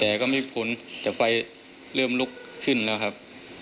แต่ก็ไม่พ้นแต่ไฟเริ่มลุกขึ้นแล้วครับ